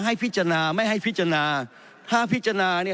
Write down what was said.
ให้พิจารณาไม่ให้พิจารณาถ้าพิจารณาเนี่ย